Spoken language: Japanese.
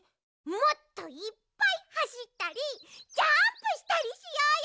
もっといっぱいはしったりジャンプしたりしようよ！